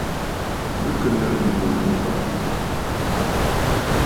Bɨ kɨ̀ nɨ̌ŋ ǹjò ghu abàà.